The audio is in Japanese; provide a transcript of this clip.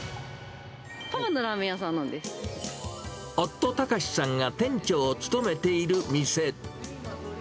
パパのラーメン屋さんなんで夫、たかしさんが店長を務めている店。